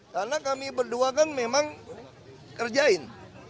karena kami berdua kan memang kerjain